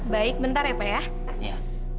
baik bentar ya pak ya